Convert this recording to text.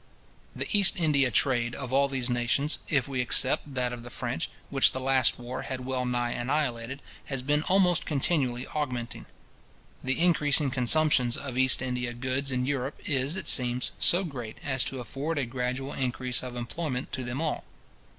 The East India trade of all these nations, if we except that of the French, which the last war had well nigh annihilated, has been almost continually augmenting. The increasing consumptions of East India goods in Europe is, it seems, so great, as to afford a gradual increase of employment to them all.